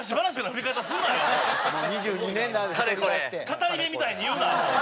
語り部みたいに言うな！